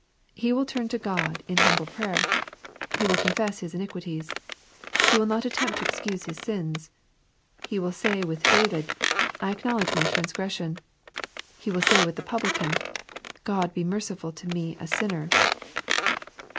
He will turn to God in humble prayer. He will confess his iniquities. He will not attempt to excuse his sins. He will say with David^^ *' I acknowledge my transgression.'' He will say with . the publican, " God be merciful to me a sinnei."